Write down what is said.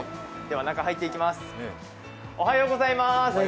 中に入っていきます。